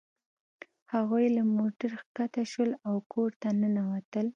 هغوی له موټر ښکته شول او کور ته ننوتل